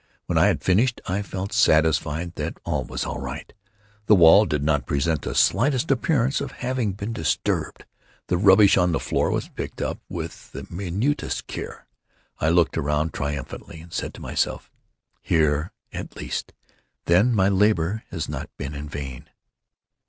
When I had finished, I felt satisfied that all was right. The wall did not present the slightest appearance of having been disturbed. The rubbish on the floor was picked up with the minutest care. I looked around triumphantly, and said to myself: "Here at least, then, my labor has not been in vain."